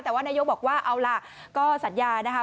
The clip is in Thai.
แต่ว่านายกบอกว่าเอาล่ะก็สัญญานะคะ